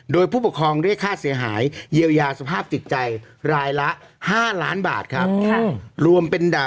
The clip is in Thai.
โดยผู้ปกครองเรียกค่าเสียหายเยียวยาสภาพจิตใจรายละ๕ล้านบาทครับ